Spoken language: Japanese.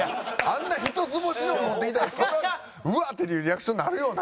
あんな一つ星のを持ってきたらそりゃうわー！っていうリアクションになるよな。